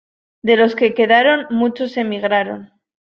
De los que quedaron muchos emigraron.